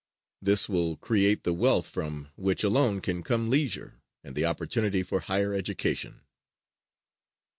This will create the wealth from which alone can come leisure and the opportunity for higher education.